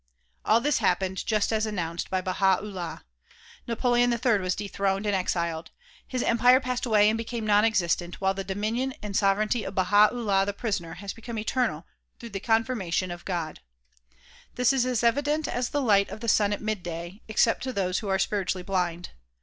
All this happened just as announced by Baha 'Ullah. Napoleon III was dethroned and exiled. His empire passed away and became non existent while the dominion and sovereignty of Baha 'Ullah the prisoner has become eternal DISCOURSE DELIVERED IN MONTCLAIR 207 through the confirmation of God. This is as evident as the light of the sun at midday except to those who are spiritually blind.